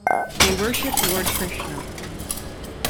They worship Lord Krishna.